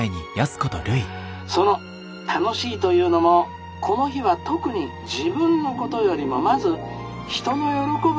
その楽しいというのもこの日は特に自分のことよりもまず人の喜ぶ